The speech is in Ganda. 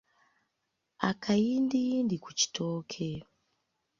Akayindiyindi ku kitooke.